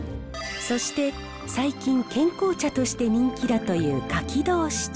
そして最近健康茶として人気だというカキドオシ茶。